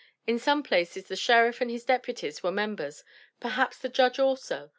In some places the sheriff and his deputies were members, perhaps the judge also[F].